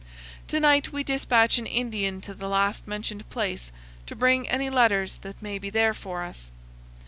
To night we dispatch an Indian to the last mentioned place to bring any letters that may be there for us.